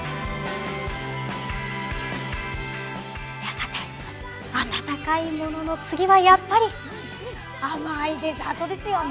さて温かいものの次はやっぱり甘いデザートですよね。